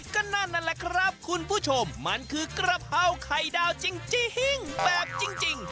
ก็นั่นนั่นแหละครับคุณผู้ชมมันคือกระเพราไข่ดาวจริงแบบจริง